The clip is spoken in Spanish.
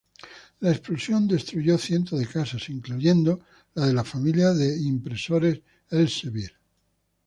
La explosión destruyó cientos de casas, incluyendo la de la familia de impresores Elsevier.